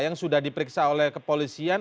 yang sudah diperiksa oleh kepolisian